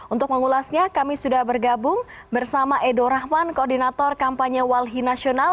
untuk mengulasnya kami sudah bergabung bersama edo rahman koordinator kampanye walhi nasional